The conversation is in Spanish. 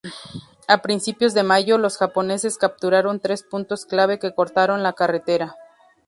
A principios de mayo los Japoneses capturaron tres puntos clave que cortaron la Carretera.